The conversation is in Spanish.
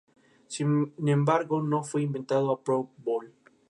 Sin embargo, no fue invitado al Pro Bowl.